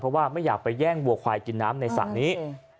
เพราะว่าไม่อยากไปแย่งบัวควายกินน้ำในสระนี้